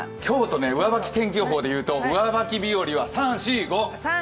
上履き天気予報で言うと上履き日よりは、３、４、５。